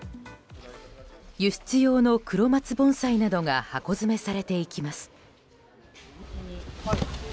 輸出用の黒松盆栽などが箱詰めされていきます。